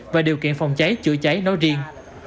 và điều kiện phòng cháy chữa cháy nói riêng